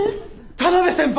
田辺先輩！